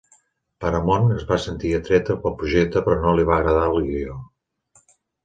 Paramount es va sentir atreta pel projecte però no li va agradar el guió.